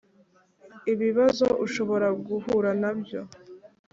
Ibibazo ushobora guhura na byo